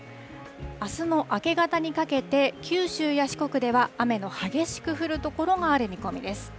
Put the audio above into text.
あすも明け方にかけて、九州や四国では雨の激しく降る所がある見込みです。